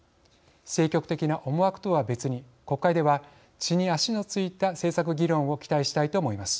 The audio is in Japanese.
政局的な思惑とは別に国会では地に足の着いた政策議論を期待したいと思います。